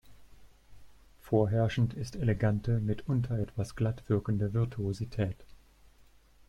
Vorherrschend ist elegante, mitunter etwas glatt wirkende Virtuosität.